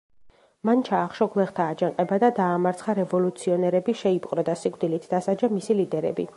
მან ჩაახშო გლეხთა აჯანყება და დაამარცხა რევოლუციონერები, შეიპყრო და სიკვდილით დასაჯა მისი ლიდერები.